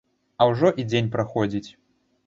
А ўжо і дзень праходзіць.